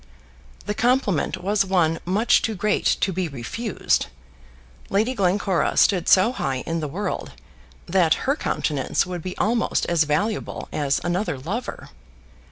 The compliment was one much too great to be refused. Lady Glencora stood so high in the world, that her countenance would be almost as valuable as another lover.